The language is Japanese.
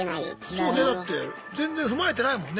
そうねだって全然踏まえてないもんね